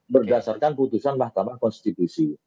berdasarkan putusan mahkamah konstitusi